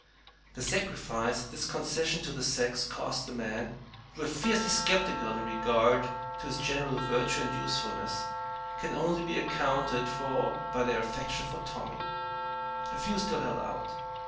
The sacrifice that this concession to the sex cost these men, who were fiercely skeptical in regard to its general virtue and usefulness, can only be accounted for by their affection for Tommy. A few still held out.